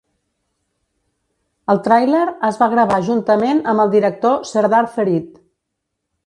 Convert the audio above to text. El tràiler es va gravar juntament amb el director Serdar Ferit.